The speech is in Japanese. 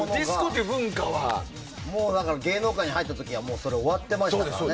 芸能界に入った時には終わってましたからね。